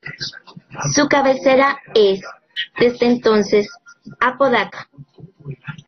Su cabecera es, desde entonces, Apodaca.